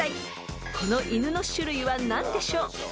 ［この犬の種類は何でしょう？］